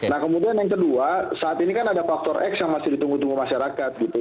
nah kemudian yang kedua saat ini kan ada faktor x yang masih ditunggu tunggu masyarakat gitu